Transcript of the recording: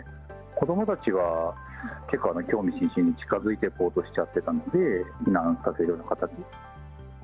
子どもたちは結構、興味津々で近づいていこうとしちゃってたんで、避難させる形。